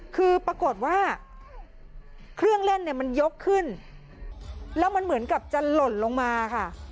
คือปรากฏว่าเครื่องเล่นเนี่ยมันยกขึ้นแล้วมันเหมือนกับจะหล่นลงมาค่ะ